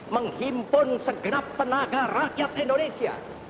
menghimpun segenap tenaga rakyat indonesia